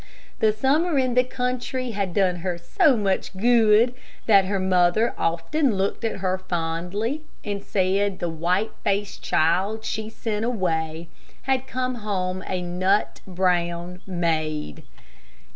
The summer in the country had done her so much good that her mother often looked at her fondly, and said the white faced child she sent away had come home a nut brown maid.